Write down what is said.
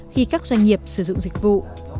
khi các doanh nghiệp sử dụng dịch vụ